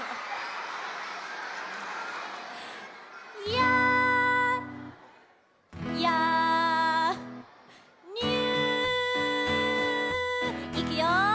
「やあやあにゅー」いくよ。